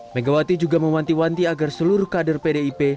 megawati juga memanti wanti agar seluruh kader pdip